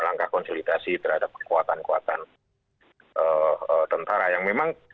langkah konsolidasi terhadap kekuatan kekuatan tentara yang memang